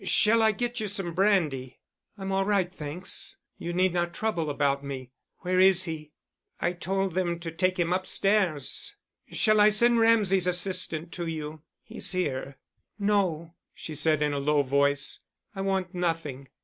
"Shall I get you some brandy?" "I'm all right, thanks. You need not trouble about me Where is he?" "I told them to take him upstairs. Shall I send Ramsay's assistant to you? He's here." "No," she said, in a low voice. "I want nothing.